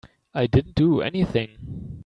I didn't do anything.